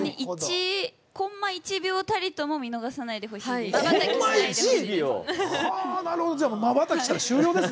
コンマ１秒たりとも見逃さないでほしいです。